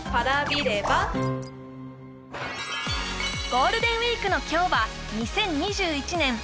ゴールデンウイークの今日は２０２１年